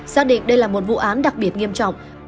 xác định đây là một vụ án đặc biệt nghiêm trọng